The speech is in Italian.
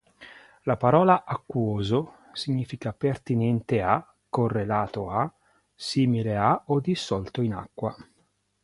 La parola "acquoso" significa pertinente a, correlato a, simile a o dissolto in acqua.